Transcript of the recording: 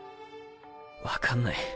分かんない。